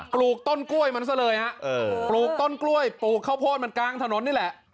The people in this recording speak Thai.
ปลูกต้นกล้วยมันซะเลยฮะปลูกต้นกล้วยปลูกข้าวโพดมันกลางถนนนี่แหละ